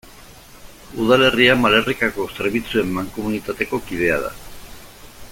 Udalerria Malerrekako Zerbitzuen Mankomunitateko kidea da.